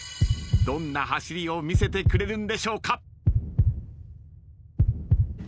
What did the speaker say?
どんな走りを見せてくれるんでしょうか？